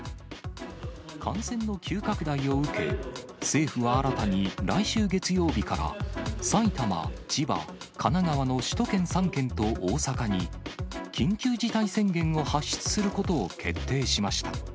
感染の急拡大を受け、政府は新たに来週月曜日から、埼玉、千葉、神奈川の首都圏３県と大阪に、緊急事態宣言を発出することを決定しました。